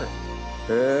へえ。